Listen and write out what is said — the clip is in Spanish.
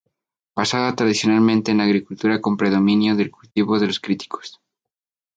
Basada tradicionalmente en la agricultura con predominio del cultivo de los cítricos.